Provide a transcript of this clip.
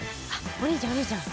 お兄ちゃんお兄ちゃん。